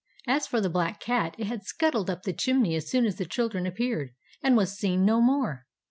As for the Black Cat, it had scuttled up the chimney as soon as the children appeared, and was seen no more.